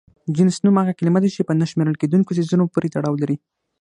جنس نوم هغه کلمه ده چې په نه شمېرل کيدونکو څيزونو پورې تړاو ولري.